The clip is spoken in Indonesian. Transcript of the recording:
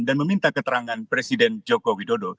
dan meminta keterangan presiden joko widodo